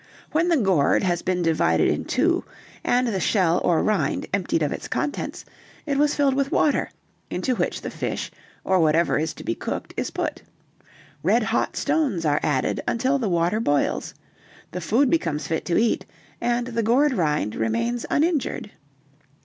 When the gourd has been divided in two, and the shell or rind emptied of its contents, it was filled with water, into which the fish, or whatever is to be cooked, is put; red hot stones are added until the water boils; the food becomes fit to eat, and the gourd rind remains uninjured."